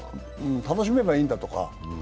楽しめばいいんだとか。